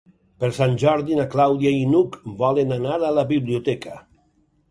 Per Sant Jordi na Clàudia i n'Hug volen anar a la biblioteca.